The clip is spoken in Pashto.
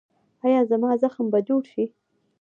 ایا زما زخم به جوړ شي؟